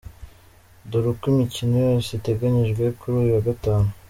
Dore Uko imikino yose iteganyijwe kuri uyu wa Gatanu.